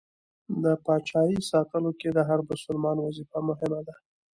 د پاچایۍ ساتلو کې د هر بسلمان وظیفه مهمه ده.